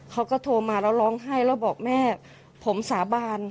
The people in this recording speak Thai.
เขาก็โทรมาแล้วร้องไห้แล้วบอกแม่ผมสาบาน